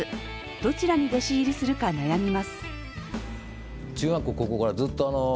どちらに弟子入りするか悩みます。